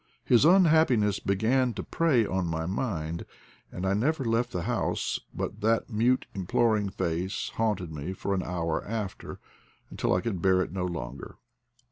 His unhappiness began to prey on my mind, and I never left the house but that mute imploring face haunted me for an hour after, until I could bear it no longer.